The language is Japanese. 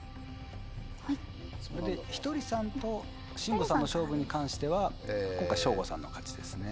ひとりさんと信五さんの勝負に関しては今回、ひとりさんの勝ちですね。